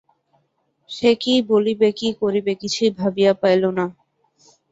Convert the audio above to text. সে কী বলিবে, কী করিবে কিছুই ভাবিয়া পাইল না।